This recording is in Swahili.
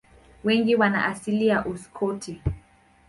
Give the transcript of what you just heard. Wengi wana asili ya Uskoti.